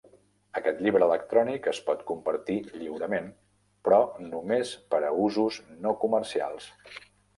Aquest llibre electrònic es pot compartir lliurement però només per a usos no comercials.